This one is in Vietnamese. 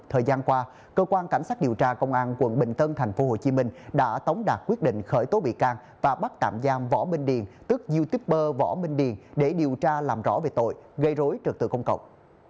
thời gian qua cơ quan cảnh sát điều tra công an quận bình tân tp hcm đã tống đạt quyết định khởi tố bị can và bắt tạm giam võ minh điền tức youtuber võ minh điền để điều tra làm rõ về tội gây rối trật tự công cộng